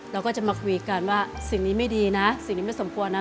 เราก็จะมาคุยกันว่าสิ่งนี้ไม่ดีนะสิ่งนี้ไม่สมควรนะ